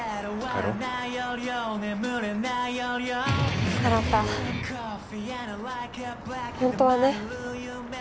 新本当はね。